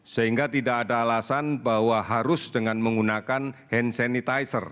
sehingga tidak ada alasan bahwa harus dengan menggunakan hand sanitizer